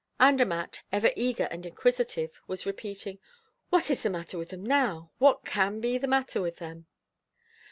Andermatt, ever eager and inquisitive, was repeating: "What is the matter with them now? What can be the matter with them?"